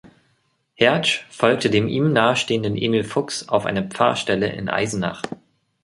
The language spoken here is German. Hertzsch folgte dem ihm nahestehenden Emil Fuchs auf eine Pfarrstelle in Eisenach.